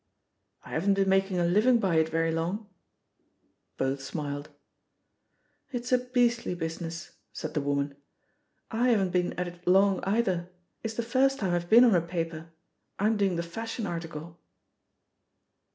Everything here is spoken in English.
"I haven't been making a living by it very long." Both smiled. It's a beastly business," said the woman. I haven't been at it long, either; it's the first time I've been on a paper. I'm doing the fashion article."